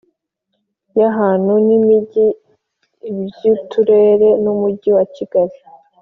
y ahantu n imijyi iby Uturere n Umujyi wa kigali